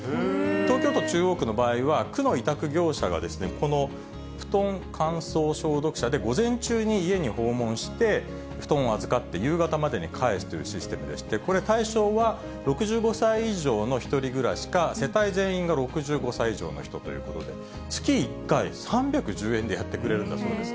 東京都中央区の場合は、区の委託業者がこの布団乾燥消毒車で午前中に家に訪問して、布団を預かって、夕方までに返すというシステムでして、これ、対象は６５歳以上の１人暮らしか、世帯全員が６５歳以上の人ということで、月１回、３１０円でやってくれるんだそうです。